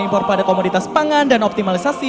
impor pada komoditas pangan dan optimalisasi